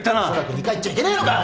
２回言っちゃいけねえのかよ